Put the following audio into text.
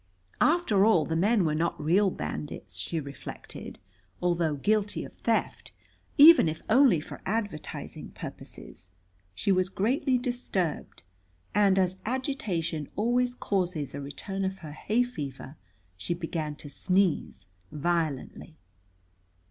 After all, the men were not real bandits, she reflected, although guilty of theft, even if only for advertising purposes. She was greatly disturbed, and as agitation always causes a return of her hay fever, she began to sneeze violently.